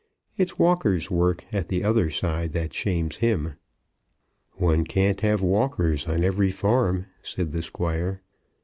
It's Walker's work, at the other side, that shames him." "One can't have Walkers on every farm," said the Squire.